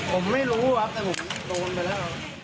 ผมไม่รู้ครับแต่ผมโดนไปแล้ว